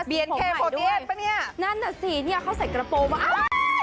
บีเอ็นเคยโฟเกียสปะเนี้ยนั่นน่ะสิเนี้ยเขาใส่กระโปรมาดูสิ